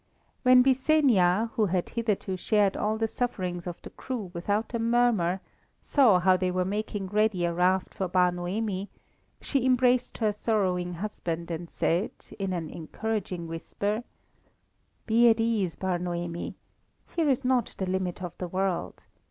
When Byssenia, who had hitherto shared all the sufferings of the crew without a murmur, saw how they were making ready a raft for Bar Noemi, she embraced her sorrowing husband, and said, in an encouraging whisper "Be at ease, Bar Noemi. Here is not the limit of the world.